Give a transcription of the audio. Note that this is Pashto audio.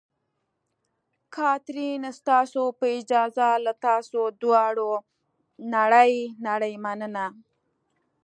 کاترین: ستاسو په اجازه، له تاسو دواړو نړۍ نړۍ مننه.